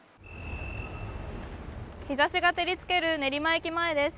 日ざしが照りつける練馬駅前です。